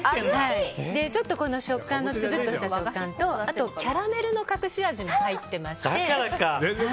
ちょっとつぶっとした食感とあと、キャラメルの隠し味も入っています。